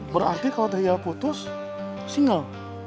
berarti kalau teh iya putus single